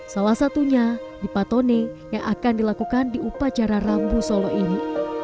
salah satunya di patone yang akan dilakukan di upacara rambu solo ini